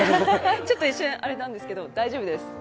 ちょっと一瞬あれなんですけど、大丈夫です。